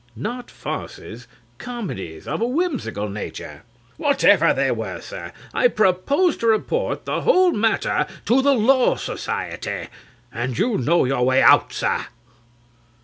Not farces, comedies of a whimsical nature. CRAWSHAW. Whatever they were, sir, I propose to report the whole matter to the Law Society. And you know your way out, sir.